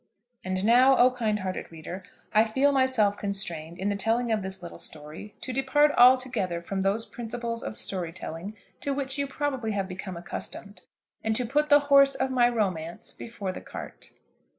And now, O kind hearted reader, I feel myself constrained, in the telling of this little story, to depart altogether from those principles of story telling to which you probably have become accustomed, and to put the horse of my romance before the cart.